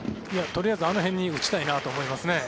とりあえずあの辺に打ちたいなと思いますね。